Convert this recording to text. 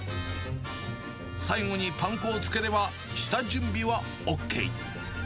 最後にパン粉をつければ、下準備はＯＫ。